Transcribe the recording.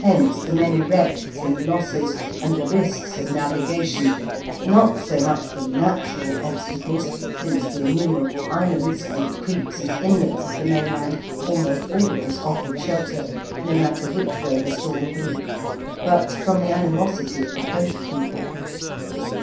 Hence the many wrecks, and losses, and the risks of navigation, not so much from natural obstacles, since the innumerable islands, and the creeks and inlets of the mainland almost always offered shelter, no matter which way the storm blew, but from the animosity of the coast people.